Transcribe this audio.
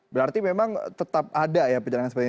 berarti memang tetap ada ya perjalanan seperti ini